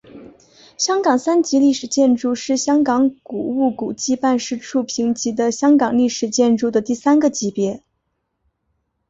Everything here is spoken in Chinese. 香港三级历史建筑是香港古物古迹办事处评级的香港历史建筑的第三个级别。